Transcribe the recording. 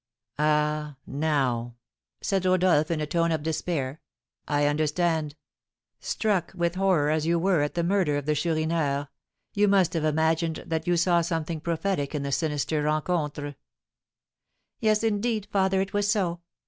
"Ah, now," said Rodolph, in a tone of despair, "I understand. Struck with horror as you were at the murder of the Chourineur, you must have imagined that you saw something prophetic in the sinister rencontre!" "Yes, indeed, father, it was so.